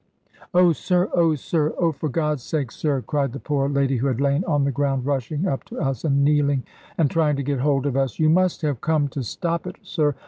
"Oh sir, oh sir, oh for God's sake, sir," cried the poor lady who had lain on the ground, rushing up to us, and kneeling, and trying to get hold of us; "you must have come to stop it, sir.